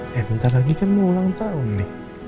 ya bentar lagi kan mau ulang tahun nih